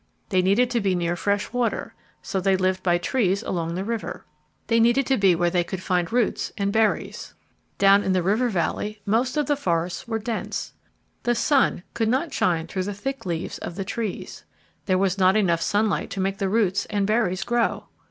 They needed to be near fresh water. So they lived by trees along the river. They needed to be where they could find roots and berries. [Illustration: "The wooded hills"] Down in the river valley most of the forests were dense. The sun could not shine through the thick leaves of the trees. There was not enough sunlight to make the roots and berries grow.